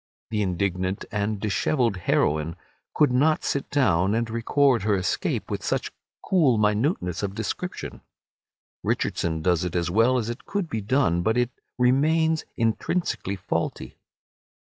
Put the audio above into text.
The indignant and dishevelled heroine could not sit down and record her escape with such cool minuteness of description. Richardson does it as well as it could be done, but it remains intrinsically faulty.